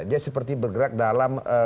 dia seperti bergerak dalam